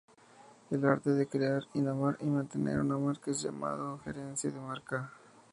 El arte de crear, innovar y mantener una marca es llamado "gerencia de marca".